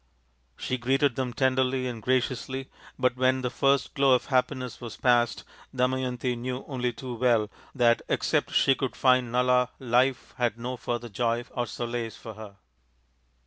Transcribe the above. She greeted them tenderly and graciously, but when the first glow of happiness was past Damayanti knew only too well that except she could find Nala life had no further joy or solace for her.